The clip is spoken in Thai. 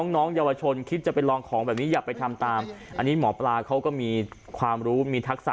น้องเยาวชนคิดจะไปลองของแบบนี้อย่าไปทำตามอันนี้หมอปลาเขาก็มีความรู้มีทักษะ